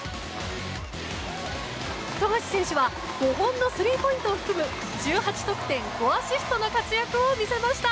富樫選手は５本のスリーポイントを含む１８得点５アシストの活躍を見せました。